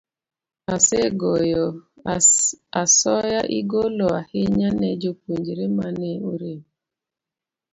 Asoya igolo ahinya ne jopuonjre ma ne orem.